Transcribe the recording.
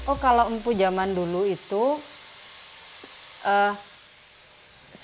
oh kalau empu jaman dulu itu oh kalau empu jaman dulu itu